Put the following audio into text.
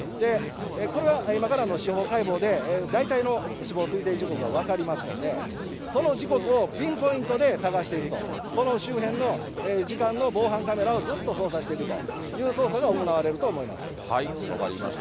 これは今からの司法解剖で、大体の死亡推定時刻は分かりますので、その時刻をピンポイントで捜していくと、この周辺の時間の防犯カメラをずっと捜査していくという捜査が行分かりました。